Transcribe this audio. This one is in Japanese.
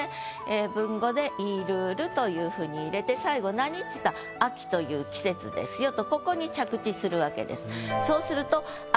ええ文語で「入るる」というふうに入れて最後何っていったら秋という季節ですよとここに着地するわけです。